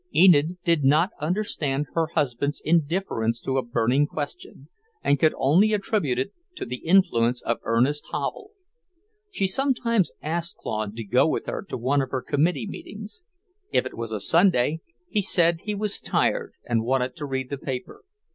Enid did not understand her husband's indifference to a burning question, and could only attribute it to the influence of Ernest Havel. She sometimes asked Claude to go with her to one of her committee meetings. If it was a Sunday, he said he was tired and wanted to read the paper.